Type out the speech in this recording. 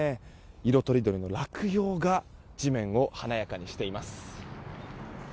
色とりどりの落葉が地面を華やかにしています。